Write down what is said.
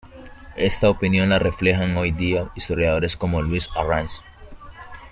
Esta opinión la reflejan hoy día historiadores como Luis Arranz.